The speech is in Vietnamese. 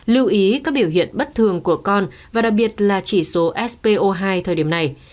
lưu ý các biểu hiện bất thường của con và đặc biệt là chỉ số spo hai thời điểm này